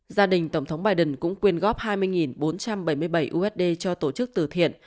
gia đình tổng thống biden cũng quyên góp hai mươi bốn trăm bảy mươi bảy usd cho tổ chức từ thiện